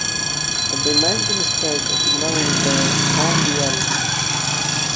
But they make the mistake of ignoring their own duality.